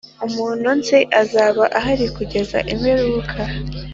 umuntu nzi azaba ahari kugeza imperuka,